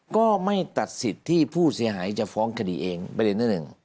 ก็ไม่ตัดสิทธิ์ที่ผู้เสียหายจะฟ้องคดีเองประเด็นที่หนึ่ง